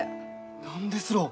何ですろう？